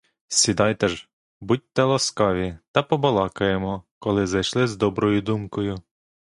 Сідайте ж, будьте ласкаві, та побалакаємо, коли зайшли з доброю думкою.